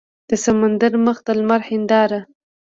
د سمندر مخ د لمر هینداره